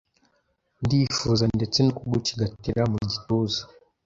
ndifuza ndetse no kugucigatira mu gituza”